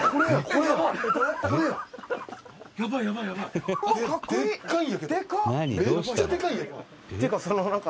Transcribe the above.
「これやばい」